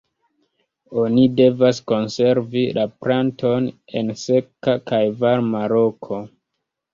Oni devas konservi la planton en seka kaj varma loko.